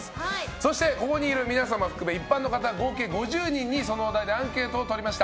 そして、ここにいる皆さん含め一般の方合計５０名にそのお題でアンケートをとりました。